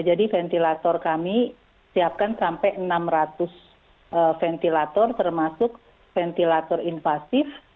ventilator kami siapkan sampai enam ratus ventilator termasuk ventilator invasif